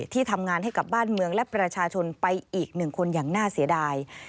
ที่ทำงานให้กับบ้านเมืองและประชาชนไปอีกหนึ่งคนอย่างน่าเสียดาย